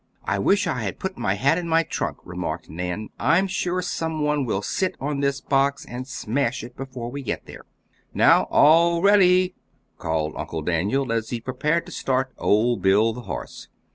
"I wish I had put my hat in my trunk," remarked Nan. "I'm sure someone will sit on this box and smash it before we get there." "Now, all ready!" called Uncle Daniel, as he prepared to start old Bill, the horse.